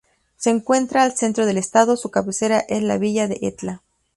Se encuentra al centro del estado, su cabecera es la Villa de Etla.